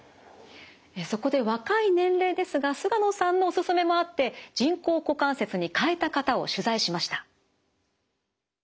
そこで若い年齢ですが菅野さんのお勧めもあって人工股関節に換えた方を取材しました。